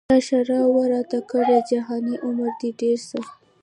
چا ښرا وه راته کړې جهاني عمر دي ډېر سه